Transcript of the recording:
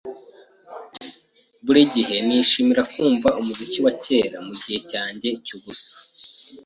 Buri gihe nishimira kumva umuziki wa kera mugihe cyanjye cyubusa.